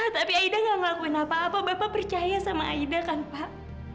tapi aida gak ngelakuin apa apa bapak percaya sama aida kan pak